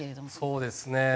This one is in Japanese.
そうですね